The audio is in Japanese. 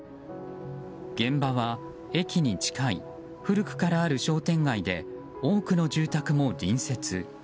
現場は駅に近い古くからある商店街で多くの住宅も隣接。